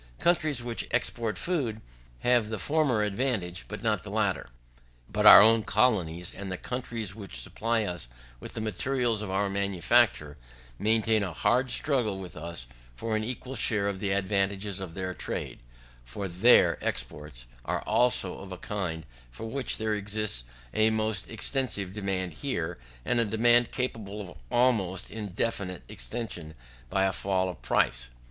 Countries which export food, have the former advantage, but not the latter. But our own colonies, and the countries which supply us with the materials of our manufactures, maintain a hard struggle with us for an equal share of the advantages of their trade; for their exports are also of a kind for which there exists a most extensive demand here, and a demand capable of almost indefinite extension by a fall of price.